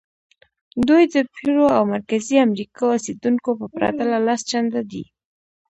دوی د پیرو او مرکزي امریکا اوسېدونکو په پرتله لس چنده دي.